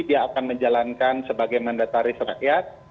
dia akan menjalankan sebagai mandataris rakyat